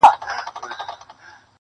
ما او نورو د وطن ځوانانو